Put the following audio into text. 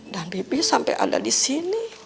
dan bibi sampai ada di sini